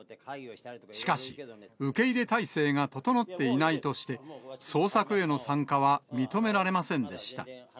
しかし、受け入れ態勢が整っていないとして、捜索への参加は認められませんでした。